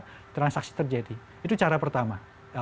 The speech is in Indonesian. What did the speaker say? dan transaksi terjadi itu cara pertama